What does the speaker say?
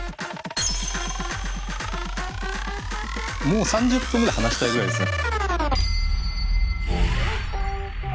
もう３０分ぐらい話したいぐらいですね。